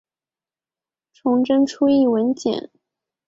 崇祯初谥文简。